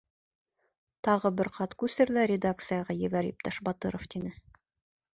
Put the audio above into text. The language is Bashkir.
Тағы бер ҡат күсер ҙә редакцияға ебәр, иптәш Батыров, -тине.